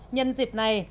nhân dịp này